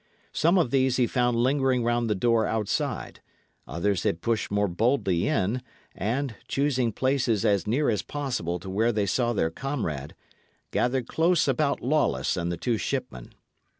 Some of these he found lingering round the door outside; others had pushed more boldly in, and, choosing places as near as possible to where they saw their comrade, gathered close about Lawless and the two shipmen.